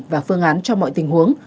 và phương án cho mọi tình huống